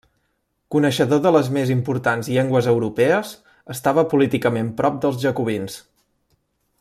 Coneixedor de les més importants llengües europees, estava políticament prop dels jacobins.